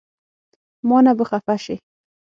مانه به خفه شې